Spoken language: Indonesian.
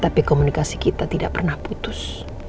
tapi komunikasi kita tidak pernah putus